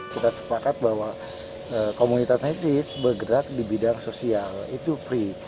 kita sepakat bahwa komunitas nesis bergerak di bidang sosial itu free